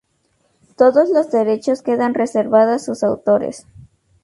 Todos los derechos quedan reservado a sus autores.